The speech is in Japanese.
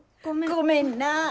ごめんな！